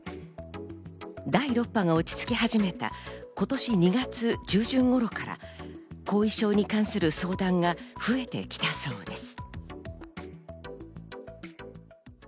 第６波が落ち着き始めた今年２月中旬頃から後遺症に関する相談が増えてきたそうです。